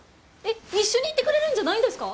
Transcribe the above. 一緒に行ってくれるんじゃないんですか？